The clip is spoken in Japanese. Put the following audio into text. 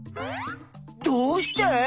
どうして？